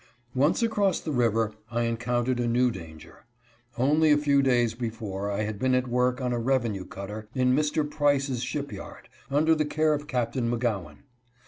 Once across the river I encountered a new danger. Only a few days before I had been at work on a revenue cutter, in Mr. Price's ship yard, under the care of Captain McGowan.